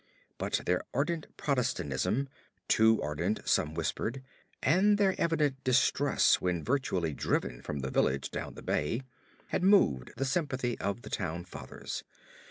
But their ardent Protestantism too ardent, some whispered and their evident distress when virtually driven from the village down the bay, had moved the sympathy of the town fathers.